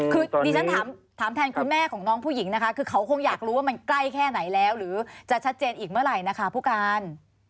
คือดิฉันถามแทนคุณแม่ของน้องผู้หญิงนะคะคือเขาคงอยากรู้ว่ามันใกล้แค่ไหนแล้วหรือจะชัดเจนอีกเมื่อไหร่นะคะผู้การ